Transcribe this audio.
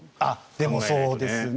でも、そうですね。